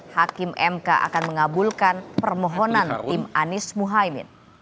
hakim mk akan mengabulkan permohonan tim anies muhaymin